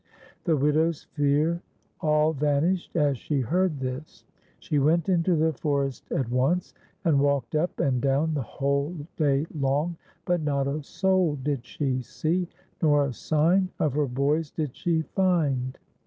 The widow's fear all vanished as she heard this. She went into the forest at once, and walked up and down the whole day long, but not a soul did she see, nor a sign of her boys did she find.